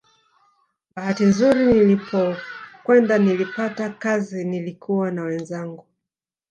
Bahati nzuri nilipokwenda nilipata kazi nilikuwa na wenzangu